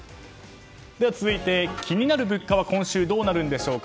続いて、気になる物価は今週どうなるんでしょうか。